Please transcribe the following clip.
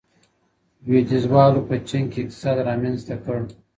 لویدیځوالو په چین کي اقتصاد رامنځته کړ.